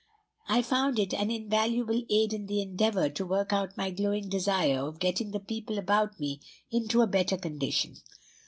I found it an invaluable aid in the endeavor to work out my glowing desire of getting the people about me into a better condition.